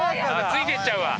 ついていっちゃうわ。